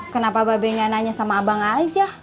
kenapa babe nggak nanya sama abang aja